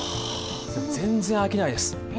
全然飽きないです。